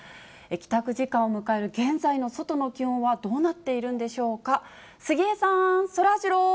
帰宅時間を迎える現在の外の気温はどうなっているんでしょうか。